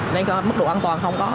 nên mức độ an toàn không có